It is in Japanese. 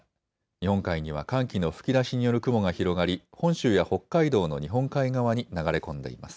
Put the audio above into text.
日本海には寒気の吹き出しによる雲が広がり本州や北海道の日本海側に流れ込んでいます。